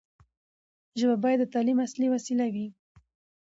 ژبه باید د تعلیم اصلي وسیله وي.